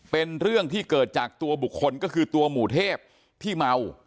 เป็นเรื่องที่เกิดจากตัวบุคคลก็คือตัวหมู่เทพที่เมา